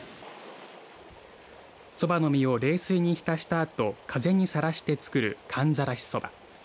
そばの実を冷水に浸したあと風にさらして作る寒ざらしそば。